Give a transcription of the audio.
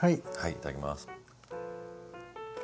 いただきます。